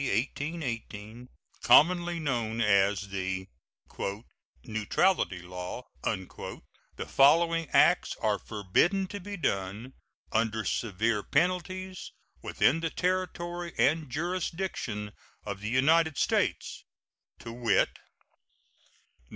1818, commonly known as the "neutrality law," the following acts are forbidden to be done, under severe penalties, within the territory and jurisdiction of the United States, to wit: 1.